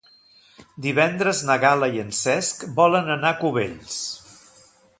Divendres na Gal·la i en Cesc volen anar a Cubells.